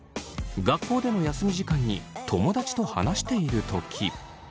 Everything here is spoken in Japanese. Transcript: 学校での休み時間に友達と話しているとき。